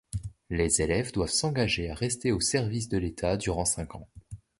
Les élèves doivent s'engager à rester au service de l'État durant cinq ans.